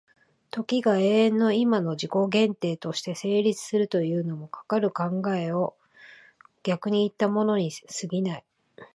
時が永遠の今の自己限定として成立するというのも、かかる考を逆にいったものに過ぎない。